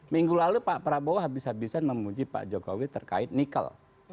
minggu lalu pak prabowo habis habisan memuji pak jokowi terkait nikel